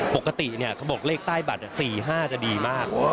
ปกติเขาบอกเลขใต้บัตร๔๕จะดีมาก